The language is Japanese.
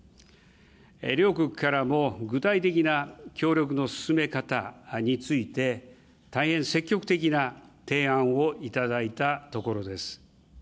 両国からも、具体的な協力の進め方について、大変積極的な提案を頂いたところです。